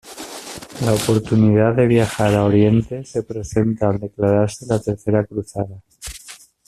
La oportunidad de viajar a Oriente se presenta al declararse la Tercera Cruzada.